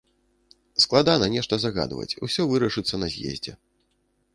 Складана нешта загадваць, усё вырашыцца на з'ездзе.